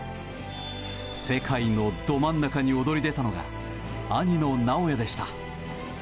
世界のど真ん中に躍り出たのが兄の尚弥でした。